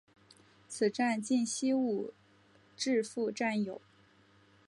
此站近西武秩父站有。